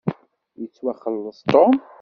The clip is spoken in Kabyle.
Yettwaxelleṣ Tom.